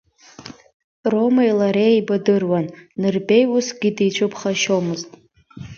Ромеи лареи еибадыруан, Нырбеи усгьы дицәыԥхашьомызт.